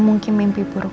aku takut mimpi buah buahan